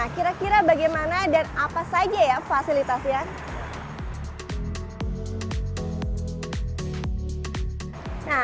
kira kira bagaimana dan apa saja ya fasilitasnya